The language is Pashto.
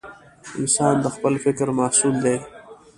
انسان د خپل فکر محصول دی.